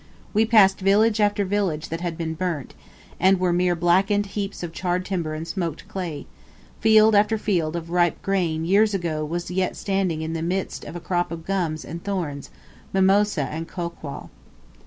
We passed village after village that had been burnt, and were mere blackened heaps of charred timber and smoked clay; field after field of grain ripe years ago was yet standing in the midst of a crop of gums and thorns, mimosa and kolquall.